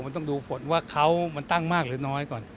มันต้องดูผลว่าเขามันตั้งมากหรือน้อยก่อน